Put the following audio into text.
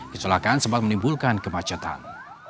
kecelakaan sempat menimbulkan kemacetan